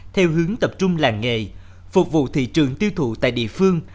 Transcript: theo hướng tập trung làng nghề phục vụ thị trường tiêu thụ tại địa phương